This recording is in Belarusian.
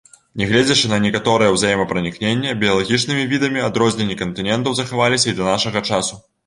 Негледзячы на некаторае узаемапранікненне біялагічнымі відамі, адрозненні кантынентаў захаваліся і да нашага часу.